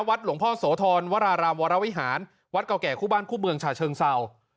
วัดหลวงพ่อโสธรวรารามวรวิหารวัดเก่าแก่คู่บ้านคู่เมืองฉาเชิงเศร้า